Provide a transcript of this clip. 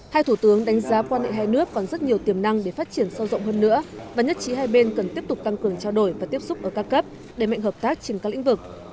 hai thủ tướng đánh giá quan hệ hai nước còn rất nhiều tiềm năng để phát triển sâu rộng hơn nữa và nhất trí hai bên cần tiếp tục tăng cường trao đổi và tiếp xúc ở các cấp để mạnh hợp tác trên các lĩnh vực